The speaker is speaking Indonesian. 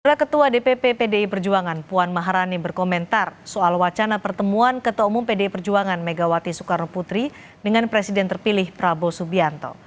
ketua dpp pdi perjuangan puan maharani berkomentar soal wacana pertemuan ketua umum pdi perjuangan megawati soekarno putri dengan presiden terpilih prabowo subianto